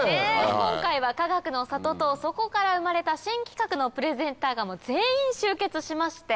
今回はかがくの里とそこから生まれた新企画のプレゼンターが全員集結しまして。